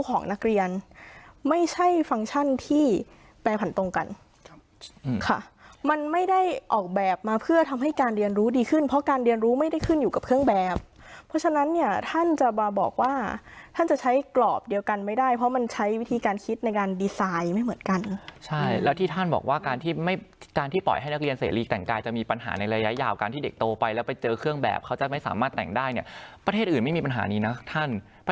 ของนักเรียนไม่ใช่ฟังก์ชันที่แปรผันตรงกันค่ะมันไม่ได้ออกแบบมาเพื่อทำให้การเรียนรู้ดีขึ้นเพราะการเรียนรู้ไม่ได้ขึ้นอยู่กับเครื่องแบบเพราะฉะนั้นเนี่ยท่านจะบอกว่าท่านจะใช้กรอบเดียวกันไม่ได้เพราะมันใช้วิธีการคิดในการดีไซน์ไม่เหมือนกันใช่แล้วที่ท่านบอกว่าการที่ไม่การที่ปล่อยให้นักเรียนเสร